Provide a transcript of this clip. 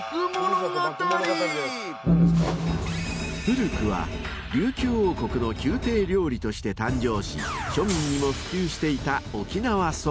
［古くは琉球王国の宮廷料理として誕生し庶民にも普及していた沖縄そば。